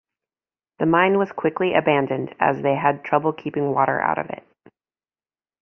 The mine was quickly abandoned as they had trouble keeping water out of it.